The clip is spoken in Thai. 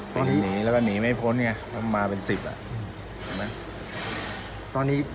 คนหนีแล้วก็หนีไม่พ้นเนี่ยมาเป็นสิบอ่ะเสีย